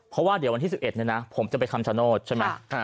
เพราะว่าเดี๋ยววันที่๑๑เนี่ยนะผมจะไปคำชโนธใช่ไหม